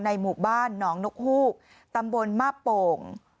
หมู่บ้านหนองนกฮูกตำบลมาบโป่ง